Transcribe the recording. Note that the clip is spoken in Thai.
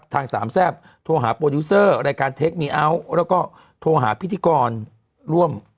สามแซ่บโทรหาโปรดิวเซอร์รายการเทคมีอัลแล้วก็โทรหาพิธีกรร่วม